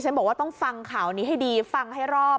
บอกว่าต้องฟังข่าวนี้ให้ดีฟังให้รอบ